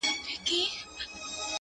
د بېوفا لفظونه راوړل!!